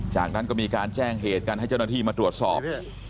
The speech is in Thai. จากนั้นก็มีการแจ้งเหตุกันให้เจ้าหน้าที่มาตรวจสอบ